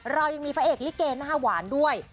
เรายังมีพระเอกลิเกหน้าหวานด้วย